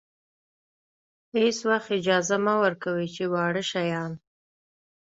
هېڅ وخت اجازه مه ورکوئ چې واړه شیان.